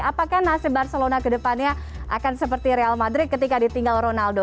apakah nasib barcelona kedepannya akan seperti real madrid ketika ditinggal ronaldo